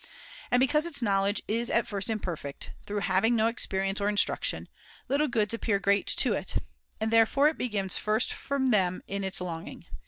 And because its knowledge is at first imperfect, through having no experience or instruction, little goods appear great to it; |3i6o3 and therefore it begins first from them in its longing.